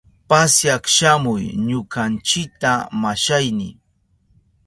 Pasyak shamuy ñukanchita, mashayni.